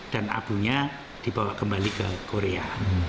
dan abunya dibawa kembali ke korea